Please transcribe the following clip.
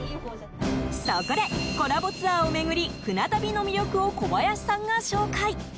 そこで、コラボツアーを巡り船旅の魅力を小林さんが紹介。